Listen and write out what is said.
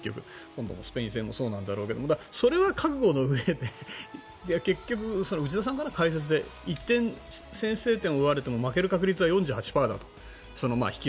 今度のスペイン戦もそうなんだけどそれは覚悟のうえで内田さんが解説で１点先制点を奪われても負ける確率は４８％だと。